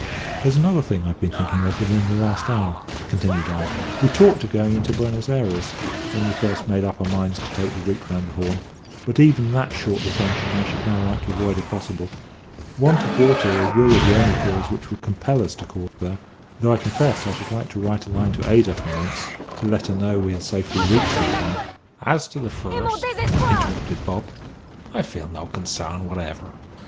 "There's another thing I've been thinking of within the last hour," continued I. "We talked of going into Buenos Ayres when we first made up our minds to take the route round the Horn; but even that short detention I should now like to avoid if possible. Want of water is really the only cause which would compel us to call there, though I confess I should like to write a line to Ada from thence, to let her know we had safely reached so far " "As to the first," interrupted Bob, "I feel no consarn whatever.